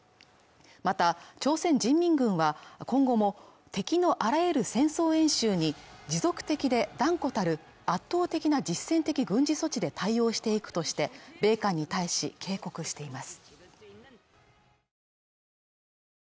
また朝鮮人民軍は今後も敵のあらゆる戦争演習に持続的で断固たる圧倒的な実践的軍事措置で対応していくとして米韓に対し警告しています